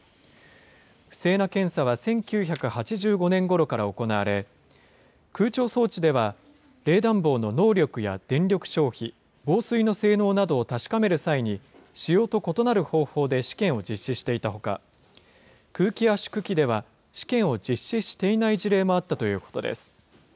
不正な検査は１９８５年ごろから行われ、空調装置では冷暖房の能力や電力消費、防水の性能などを確かめる際に、仕様と異なる方法で試験を実施していたほか、空気圧縮機では、試験を実施していない事例もあったということです。